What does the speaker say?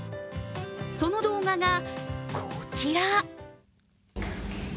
その動画がこちら。